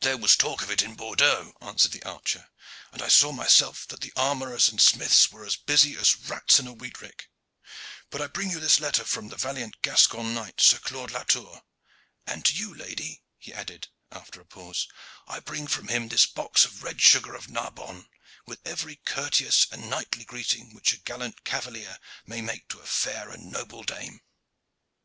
"There was talk of it in Bordeaux," answered the archer, "and I saw myself that the armorers and smiths were as busy as rats in a wheat rick. But I bring you this letter from the valiant Gascon knight, Sir Claude Latour. And to you, Lady," he added after a pause, "I bring from him this box of red sugar of Narbonne, with every courteous and knightly greeting which a gallant cavalier may make to a fair and noble dame."